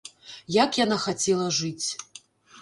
Як яна хацела жыць!